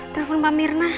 telepon pak mirna